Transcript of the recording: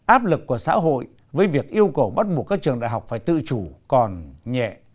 áp lực của xã hội với việc yêu cầu bắt buộc các trường đại học phải tự chủ còn nhẹ